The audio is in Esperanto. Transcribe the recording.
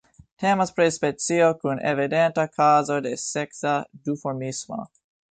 Temas pri specio kun evidenta kazo de seksa duformismo.